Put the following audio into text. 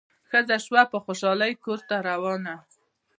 ښځه سوه په خوشالي کورته روانه